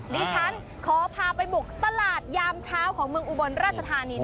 ที่ฉันขอพาไปบุกตลาดยามเช้าของเมืองอุบลราชฎร์นี้หน่อย